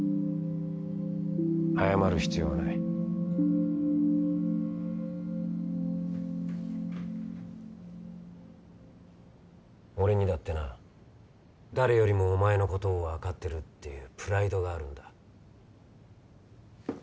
謝る必要はない俺にだってな誰よりもお前のことを分かってるっていうプライドがあるんだ